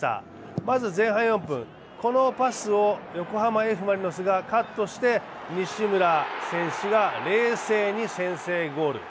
まず前半４分、このパスを横浜Ｆ・マリノスがカットして西村選手が冷静に先制ゴール。